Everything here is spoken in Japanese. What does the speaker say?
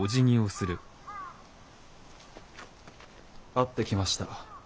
会ってきました。